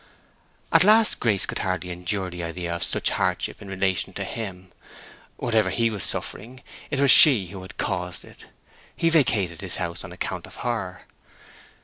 At last Grace could hardly endure the idea of such a hardship in relation to him. Whatever he was suffering, it was she who had caused it; he vacated his house on account of her.